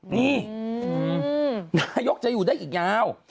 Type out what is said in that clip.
นี่นายกจะอยู่ได้อีกยาว